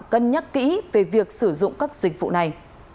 cân nhắc kỹ về việc sử dụng các dịch vụ này